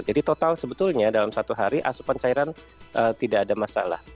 jadi total sebetulnya dalam satu hari asupan cairan tidak ada masalah